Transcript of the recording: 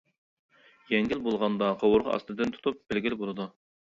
يەڭگىل بولغاندا قوۋۇرغا ئاستىدىن تۇتۇپ بىلگىلى بولىدۇ.